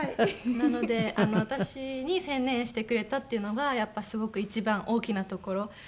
なので私に専念してくれたっていうのがやっぱりすごく一番大きなところ。